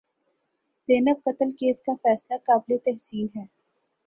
زینب قتل کیس کا فیصلہ قابل تحسین ہے